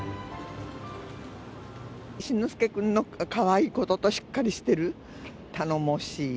新之助君のかわいいこととしっかりしてる、頼もしい。